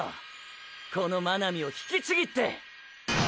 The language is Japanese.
この真波を引きちぎって！！